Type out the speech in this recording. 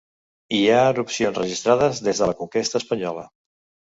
Hi ha erupcions registrades des de la conquesta espanyola.